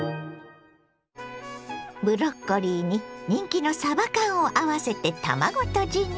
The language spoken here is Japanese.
ブロッコリーに人気のさば缶を合わせて卵とじに。